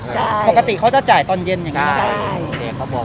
ปกติเขาจะจ่ายตอนเย็นอย่างนี้